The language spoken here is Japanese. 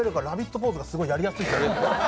ポーズがすごくやりやすいです。